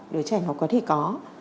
đứa trẻ họ có thể có